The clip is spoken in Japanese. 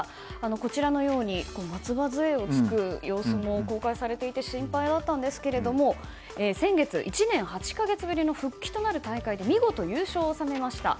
こちらのように松葉づえをつく様子も公開されていて心配だったんですけれども先月、１年８か月ぶりの復帰となる大会で見事、優勝を収めました。